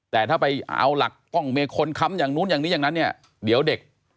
แต่ถ้าไปเอาหลักกล้องมีคนค้ำอย่างนู้นอย่างนี้อย่างนั้นเนี่ยเดี๋ยวเด็ก